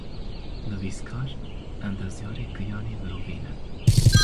Nivîskar, endezyarê giyanê mirovî ne.